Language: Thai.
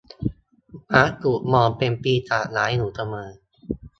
มักถูกมองเป็นปีศาจร้ายอยู่เสมอ